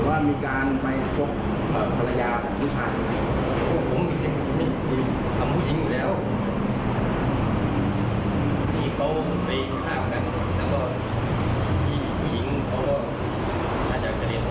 บอกว่ามีการไปชกฝรยาหลังของผู้ชาย